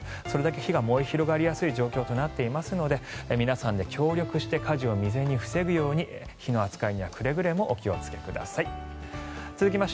それだけ火が燃え広がりやすい状況となっていますので皆さんで協力して火事を未然に防ぐように火の扱いにはくれぐれもお気をつけください。